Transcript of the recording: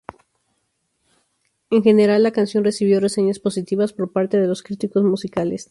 En general, la canción recibió reseñas positivas por parte de los críticos musicales.